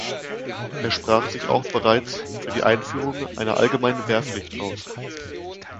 Er sprach sich auch bereits für die Einführung einer allgemeinen Wehrpflicht aus.